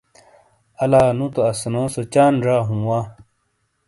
الا نو تو اسنو سو چاند زا ہوں وا۔